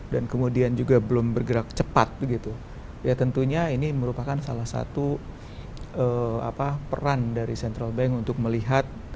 dan kemudian juga belum bergerak cepat ya tentunya ini merupakan salah satu peran dari central bank untuk melihat